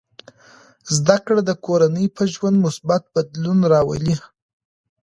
زده کړه د کورنۍ په ژوند مثبت بدلون راولي.